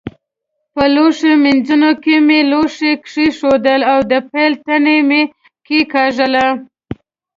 په لوښ مینځوني کې مې لوښي کېښودل او د پیل تڼۍ مې کېکاږله.